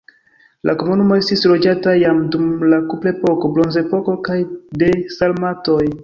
La komunumo estis loĝata jam dum la kuprepoko, bronzepoko kaj de sarmatoj.